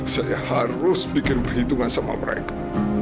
saya harus bikin perhitungan sama mereka